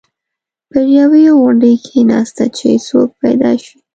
پر یوې غونډۍ کېناسته چې څوک پیدا شي.